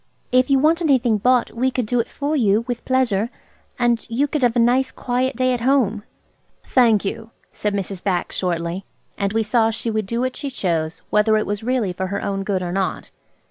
"If you want anything bought we could do it for you, with pleasure, and you could have a nice, quiet day at home." "Thank you," said Mrs. Bax shortly; and we saw she would do what she chose, whether it was really for her own good or not.